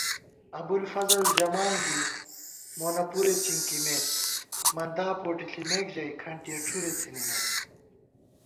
ابُوالفضل ژمان زی، مونہ پُرے چِنکِمېت * مندا پوٹےݪِمېکژَئی کھنٹِیَہ ڄُھرےڅِھنِمېت